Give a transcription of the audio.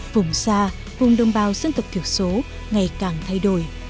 vùng xa vùng đông bao dân tộc thiểu số ngày càng thay đổi